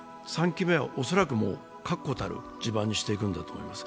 ３期目は恐らく確固たる地盤にしていくんだと思います。